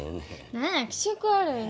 何や気色悪いなあ。